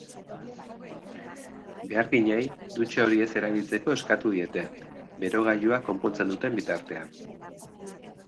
Beharginei dutxa hori ez erabiltzeko eskatu diete, berogailua konpontzen duten bitartean.